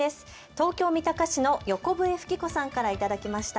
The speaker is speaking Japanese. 東京三鷹市の横笛吹子さんから頂きました。